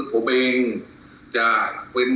ขอบคุณทุกคน